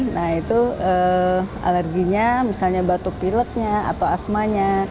nah itu alerginya misalnya batuk pileknya atau asmanya